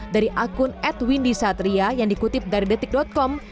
dari akun edwindi satria yang dikutip dari detik com